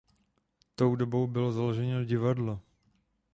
Tou dobou bylo založeno divadlo.